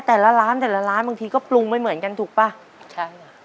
แต่ละร้านแต่ละร้านบางทีก็ปรุงไม่เหมือนกันถูกป่ะใช่ค่ะ